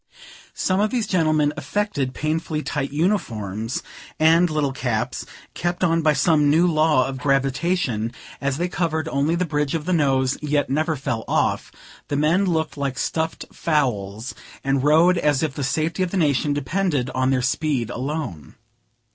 Some of these gentlemen affected painfully tight uniforms, and little caps, kept on by some new law of gravitation, as they covered only the bridge of the nose, yet never fell off; the men looked like stuffed fowls, and rode as if the safety of the nation depended on their speed alone.